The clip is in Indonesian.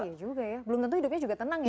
iya juga ya belum tentu hidupnya juga tenang ya